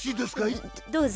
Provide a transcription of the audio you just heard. どどうぞ。